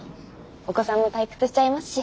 お子さんも退屈しちゃいますし。